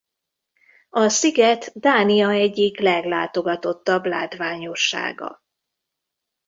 A sziget Dánia egyik leglátogatottabb látványossága.